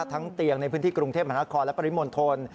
ทั้งเตียงในพื้นที่กรุงเทพฯมหาคอและปริโมนทน